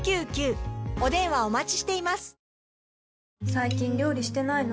最近料理してないの？